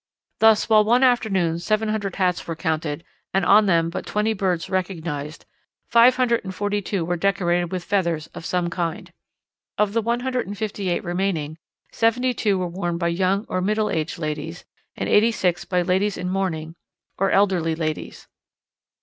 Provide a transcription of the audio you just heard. Thus, while one afternoon seven hundred hats were counted and on them but twenty birds recognized, five hundred and forty two were decorated with feathers of some kind. Of the one hundred and fifty eight remaining, seventy two were worn by young or middle aged ladies, and eighty six by ladies in mourning or elderly ladies."